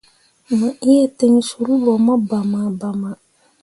Mo iŋ ten sul ɓo mo bama bama.